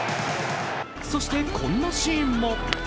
そして、こんなシーンも。